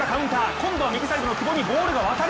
今度は右サイドの久保にボールが渡る。